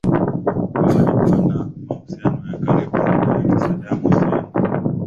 kuwa walikuwa na mahusiano ya karibu na hayati sadaam hussein